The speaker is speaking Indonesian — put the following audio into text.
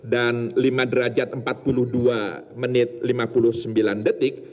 dan lima derajat empat puluh dua menit lima puluh sembilan detik